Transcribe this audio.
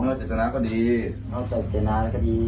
ไม่เจ็ดจนาก็ดี